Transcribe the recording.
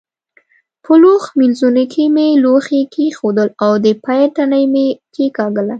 په لوښ مینځوني کې مې لوښي کېښودل او د پیل تڼۍ مې کېکاږله.